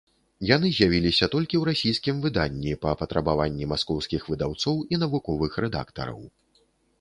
Яны з'явіліся толькі ў расійскім выданні па патрабаванні маскоўскіх выдаўцоў і навуковых рэдактараў.